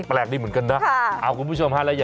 แปลกดีเหมือนกันนะ